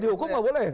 di hukum nggak boleh